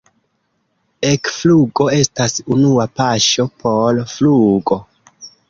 Ekflugo estas unua paŝo por flugo.